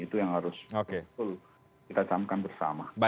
itu yang harus kita camkan bersama